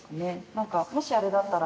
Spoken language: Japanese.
なんか、もしあれだったら。